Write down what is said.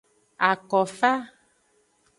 Akofa.